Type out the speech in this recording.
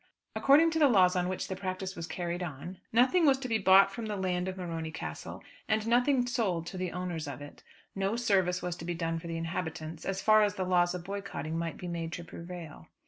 According to the laws on which the practice was carried on nothing was to be bought from the land of Morony Castle, and nothing sold to the owners of it. No service was to be done for the inhabitants, as far as the laws of boycotting might be made to prevail.